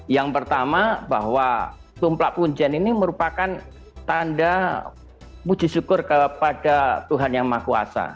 yang pertama bahwa tumplak punjen ini merupakan tanda puji syukur kepada tuhan yang maha kuasa